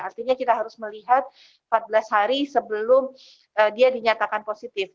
artinya kita harus melihat empat belas hari sebelum dia dinyatakan positif